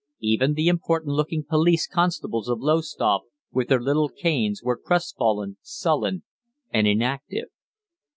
Even the important looking police constables of Lowestoft, with their little canes, were crestfallen, sullen, and inactive.